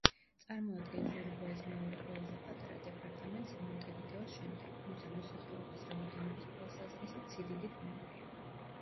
წარმოადგენს ურუგვაის მეორე ყველაზე პატარა დეპარტამენტს მონტევიდეოს შემდეგ, თუმცა მოსახლეობის რაოდენობის თვალსაზრისით, სიდიდით მეორეა.